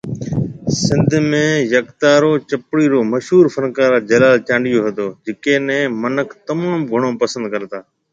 سنڌ ۾ يڪتارو چپڙي رو مشهور فنڪار جلال چانڊيو هتو جڪي ني منک تموم گھڻو پسند ڪرتا